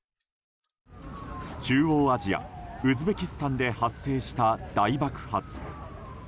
中央アジア・ウズベキスタンで発生した大爆発。